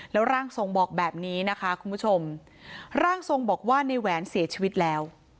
แล้วร่างทรงบอกแบบนี้นะคะคุณผู้ชมร่างทรงบอกว่าในแหวนเสียชีวิตแล้ว